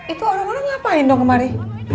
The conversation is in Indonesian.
itu orang orang ngapain dong kemari